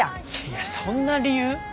いやそんな理由？